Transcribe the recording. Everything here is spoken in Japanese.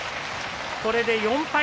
これで４敗